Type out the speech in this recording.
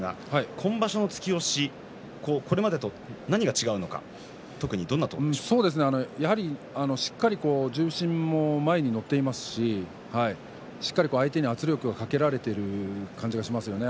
今場所は突き押しこれまでと何が違うのかしっかり重心も前に乗っていますししっかり相手に圧力をかけられている感じがしますよね。